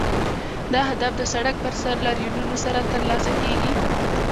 دا اهداف د سړک پر سر لاریونونو سره ترلاسه کیږي.